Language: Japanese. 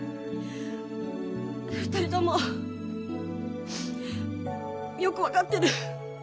２人ともよく分かってる。